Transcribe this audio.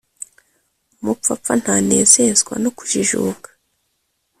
Umupfapfa ntanezezwa no kujijuka